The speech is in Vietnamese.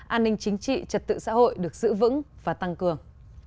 an ninh chính trị trật tự xã hội được giữ vững và tăng cường